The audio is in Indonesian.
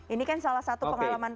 ini kan salah satu pengalaman